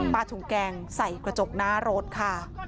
ถุงแกงใส่กระจกหน้ารถค่ะ